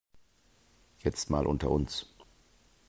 Jetzt mal unter uns.